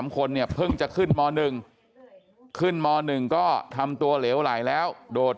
คนเนี่ยเพิ่งจะขึ้นม๑ขึ้นม๑ก็ทำตัวเหลวไหลแล้วโดด